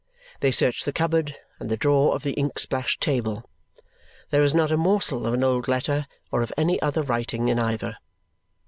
They search the cupboard and the drawer of the ink splashed table. There is not a morsel of an old letter or of any other writing in either.